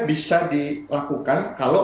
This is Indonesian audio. bisa dilakukan kalau